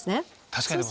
確かに。